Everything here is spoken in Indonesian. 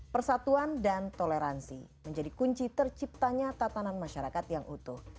persatuan dan toleransi menjadi kunci terciptanya tatanan masyarakat yang utuh